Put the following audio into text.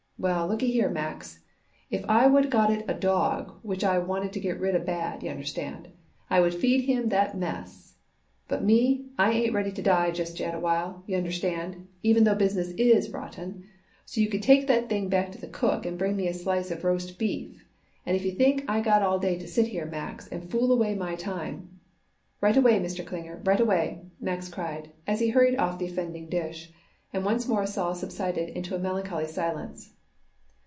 "Well, lookyhere Max, if I would got it a dawg which I wanted to get rid of bad, y'understand, I would feed him that mess. But me, I ain't ready to die just yet awhile, y'understand, even though business is rotten, so you could take that thing back to the cook and bring me a slice of roast beef; and if you think I got all day to sit here, Max, and fool away my time " "Right away, Mr. Klinger, right away," Max cried as he hurried off the offending dish, and once more Sol subsided into a melancholy silence.